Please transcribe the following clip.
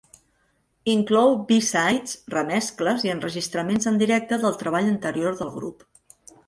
Inclou "b-sides", remescles i enregistraments en directe del treball anterior del grup.